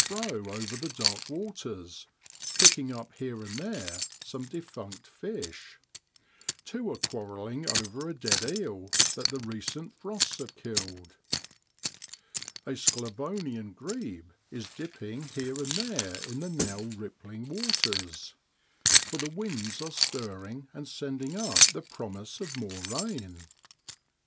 fro over the dark waters, picking up here and there some defunct fish. Two are quarrelling over a dead eel that the recent frosts have killed. A Sclavonian grebe is dipping here and there in the now rippling waters, for the winds are stirring and sending up the promise of more rain.